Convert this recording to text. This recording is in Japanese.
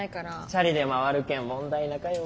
チャリで回るけん問題なかよ。